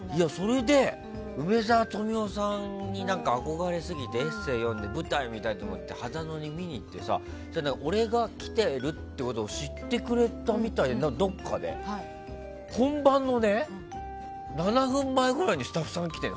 梅沢富美男さんに憧れすぎてエッセーを読んで舞台を見たいと思って秦野に見に行って俺が来てるっていうことを知ってくれていたみたいで本番の７分ぐらい前にスタッフさんが来て。